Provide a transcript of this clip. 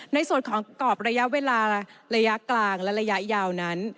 ในส่วนของกรอบระยะเวลาระยะกลางและระยะยาวนั้น